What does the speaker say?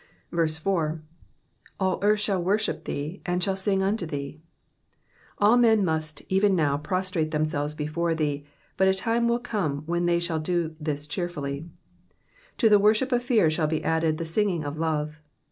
4. ^^AU the earth shall worship thee^ and sJuill sing unto thee.'''^ All men must even now prostrate themselves before thee, but a time will come when they shall do this cheerfully ; to the worship of fear shall be added the singing of love.